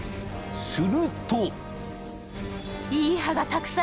［すると］